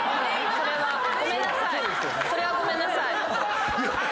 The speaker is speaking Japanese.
それはごめんなさい。